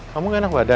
kamu ga enak badan